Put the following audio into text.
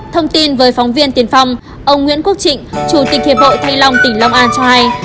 thông tin với phóng viên tiền phong ông nguyễn quốc trịnh chủ tịch hiệp hội thanh long tỉnh long an cho hay